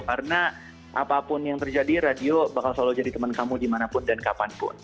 karena apapun yang terjadi radio bakal selalu jadi temen kamu dimanapun dan kapanpun